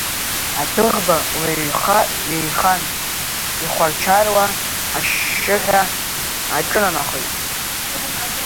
Адәыӷба леиха-ҩеихан, ихәар-чаруа, ашьшьыҳәа, аҿынанахеит.